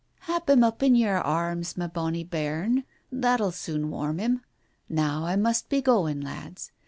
"Hap him up in your arms, ma bonny bairn, that'll soon warm him. ... Now I must be going, lads.